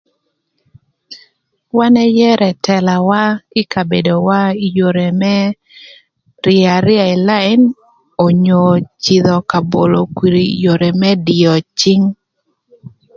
Wan ëyërö ëtëlawa ï kabedowa ï yodhi më ryë aryëa ï laïn onyo cïdhö ka bolo kwir ï yoo më dio cïny.